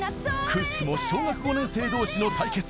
くしくも小学５年生同士の対決。